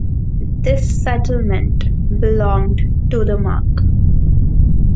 This settlement belonged to the Mark.